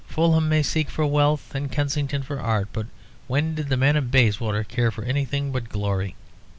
Fulham may seek for wealth, and Kensington for art, but when did the men of Bayswater care for anything but glory?"